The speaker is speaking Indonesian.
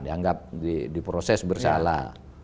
dianggap di proses bersalah